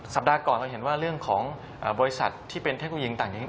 สัปดาห์ก่อนเขาเห็นว่าเรื่องของบริษัทที่เป็นแทสกีลยิงต่างเงิน